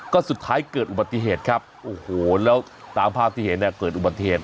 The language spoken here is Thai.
ก็สุดท้ายเกิดอุบัติเหตุครับโอ้โหแล้วตามภาพที่เห็นเนี่ยเกิดอุบัติเหตุ